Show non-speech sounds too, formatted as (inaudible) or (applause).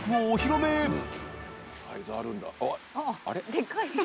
でかい (laughs)